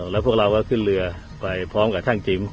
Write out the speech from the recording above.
แล้วพวกเราก็ขึ้นเรือไปพร้อมกับช่างจิ๋ม